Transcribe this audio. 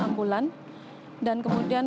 ambulan dan kemudian